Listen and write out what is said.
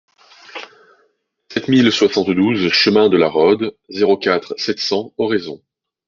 sept mille soixante-douze chemin de la Rhôde, zéro quatre, sept cents, Oraison